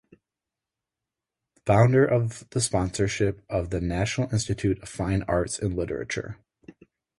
Founder of the sponsorship of the National Institute of Fine Arts and Literature.